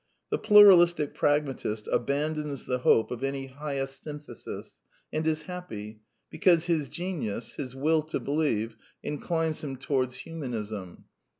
The pluralistic pragmatist abandons the hope of any highest synthesis, and is happy ; because his genius, his Will to believe, inclines him towards Humanism.